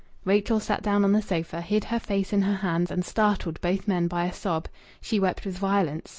Rachel sat down on the sofa, hid her face in her hands, and startled both men by a sob. She wept with violence.